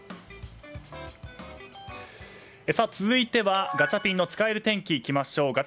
続いてはガチャピンの使える天気に行きましょう。